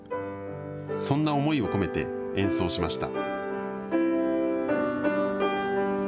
そんな思いを込めて演奏しました。